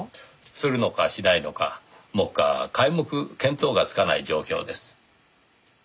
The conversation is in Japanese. するのかしないのか目下皆目見当がつかない状況です。